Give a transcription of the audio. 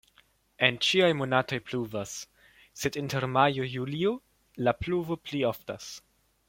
En ĉiuj monatoj pluvas, sed inter majo-julio la pluvo pli oftas.